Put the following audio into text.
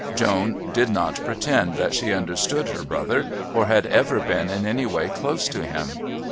Joan did not pretend that she understood her brother or had ever been in any way close to him.